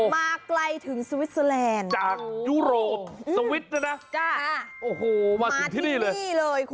มาไกลถึงสวิสเซอลันดิ์